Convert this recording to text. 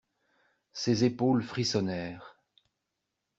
Ses épaules frissonnèrent.